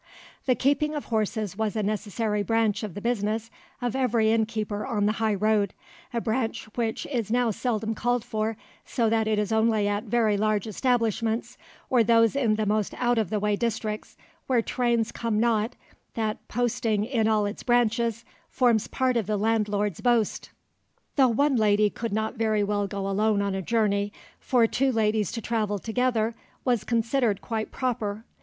The keeping of horses was a necessary branch of the business of every inn keeper on the high road, a branch which is now seldom called for, so that it is only at very large establishments, or those in the most out of the way districts where trains come not, that "posting in all its branches" forms part of the landlord's boast. [Illustration: TRAVELLERS ARRIVING AT 'EAGLE TAVERN,' STRAND] Though one lady could not very well go alone on a journey, for two ladies to travel together was considered quite proper.